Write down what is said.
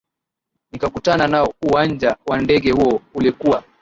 nikakutana nao uwanja wa ndege huo ulikuwa